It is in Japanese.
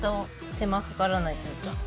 手間かからないというか。